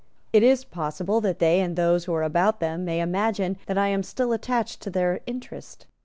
It is possible that they and those who are about them may imagine that I am still attached to their interest.